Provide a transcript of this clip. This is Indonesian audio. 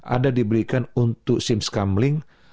ada diberikan untuk sim skambling